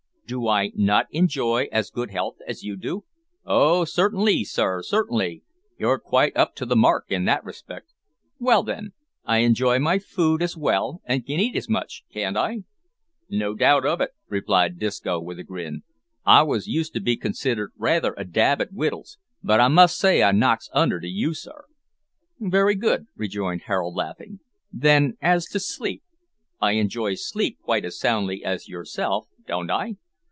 Do I not enjoy as good health as you do?" "O, cer'nly, sir, cer'nly. You're quite up to the mark in that respect." "Well then, I enjoy my food as well, and can eat as much, can't I?" "No doubt of it," replied Disco, with a grin; "I was used to be considered raither a dab at wittles, but I must say I knocks under to you, sir." "Very good," rejoined Harold, laughing; "then as to sleep, I enjoy sleep quite as soundly as yourself; don't I?"